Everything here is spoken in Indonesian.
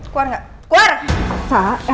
keluar gak keluar